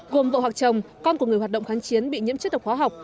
gồm vợ hoặc chồng con của người hoạt động kháng chiến bị nhiễm chất độc hóa học